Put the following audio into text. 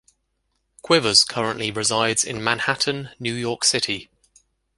Quivers currently resides in Manhattan, New York City.